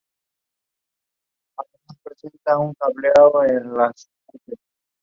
El palacio municipal de Tacuba.